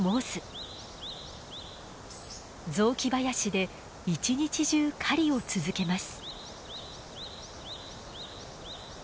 雑木林で一日中狩りを続けます。